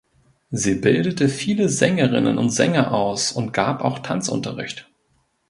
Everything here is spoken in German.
Sie bildete viele Sängerinnen und Sänger aus und gab auch Tanzunterricht.